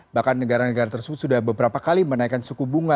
bahkan negara negara tersebut sudah beberapa kali menaikkan suku bunga